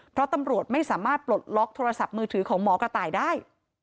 เพราะตำรวจไม่สามารถปลดล็อกโทรศัพท์มือถือของหมอกระต่ายได้